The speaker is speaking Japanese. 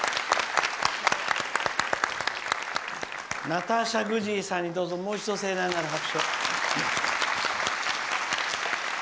ナターシャ・グジーさんにもう一度盛大なる拍手を。